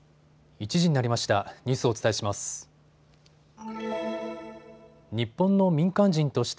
１時になりました。